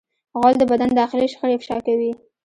غول د بدن داخلي شخړې افشا کوي.